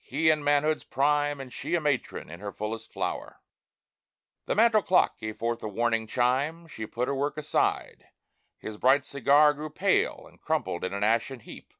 He in manhood's prime And she a matron in her fullest flower. The mantel clock gave forth a warning chime. She put her work aside; his bright cigar Grew pale, and crumbled in an ashen heap.